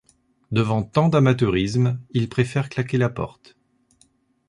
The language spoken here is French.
Devant tant d'amateurisme, il préfère claquer la porte.